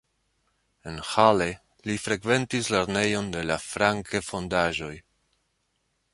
En Halle li frekventis lernejon de la Francke-fondaĵoj.